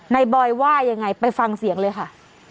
บอยว่ายังไงไปฟังเสียงเลยค่ะ